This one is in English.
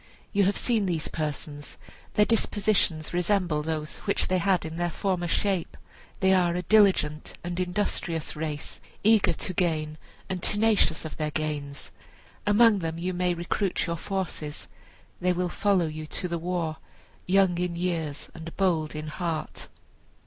You have seen these persons; their dispositions resemble those which they had in their former shape. They are a diligent and industrious race, eager to gain, and tenacious of their gains. Among them you may recruit your forces. They will follow you to the war, young in years and bold in heart."